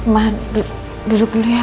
maaf duduk dulu ya